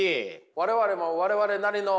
我々も我々なりの。